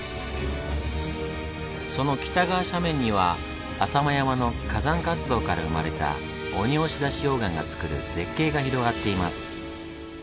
その北側斜面には浅間山の火山活動から生まれた「鬼押出溶岩」がつくる絶景が広がっています。